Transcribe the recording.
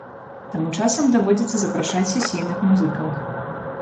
Таму часам даводзіцца запрашаць сесійных музыкаў.